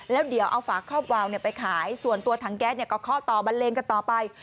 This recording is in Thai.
แล้วเดี๋ยวเอาฝาคอบวาวไปขายส่วนตัวถังแก๊สก็เคาะต่อบันเลงกันต่อไป